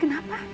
saya mau kesini